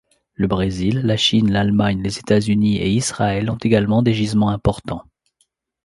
Le Brésil, la Chine, l'Allemagne, les États-Unis et Israël ont également des gisements importants.